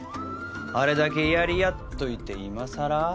あれだけやりあっといて今さら？